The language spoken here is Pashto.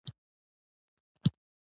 ښوونځی د زړورتیا درس دی